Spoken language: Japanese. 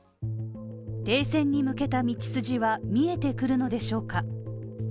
停戦に向けた道筋は見えてくるのでしょうか。